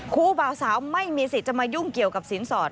บ่าวสาวไม่มีสิทธิ์จะมายุ่งเกี่ยวกับสินสอด